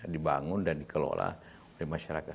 dibangun dan dikelola oleh masyarakat